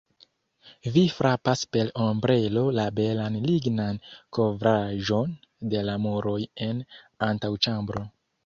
Vi frapas per ombrelo la belan lignan kovraĵon de la muroj en antaŭĉambro.